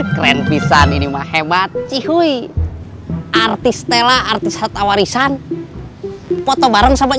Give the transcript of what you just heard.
keren pisang ini mah hebat sih wui artis stella artis hattawarisan foto bareng sama